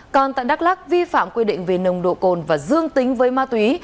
còn tại đắk lắc vi phạm quy định về nồng độ cồn và dương tính với ma túy